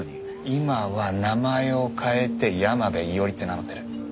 今は名前を変えて山辺伊織って名乗ってる。